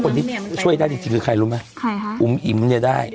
คนที่ช่วยได้จริงจริงคือใครรู้ไหมใครคะอุ๋มอิ๋มเนี่ยได้